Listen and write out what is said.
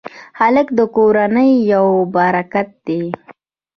هلک د کورنۍ یو برکت دی.